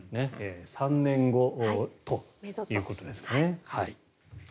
３年後ということですね。